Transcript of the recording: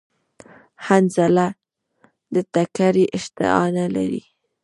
حنظله د تکری اشتها نلری